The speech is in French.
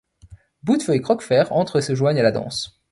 Boutefeu et Croquefer entrent et se joignent à la danse.